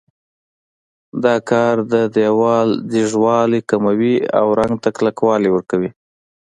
دا کار د دېوال ځیږوالی کموي او رنګ ته کلکوالی ورکوي.